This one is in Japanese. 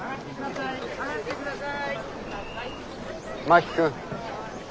真木君。